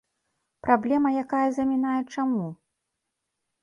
Праблема, якая замінае чаму?